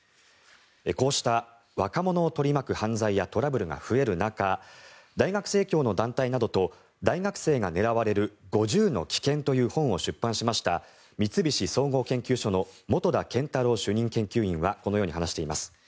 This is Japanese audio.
こうした若者を取り巻く犯罪やトラブルが増える中大学生協の団体などと「大学生が狙われる５０の危険」という本を出版しました三菱総合研究所の元田謙太郎主任研究員はこのように話しています。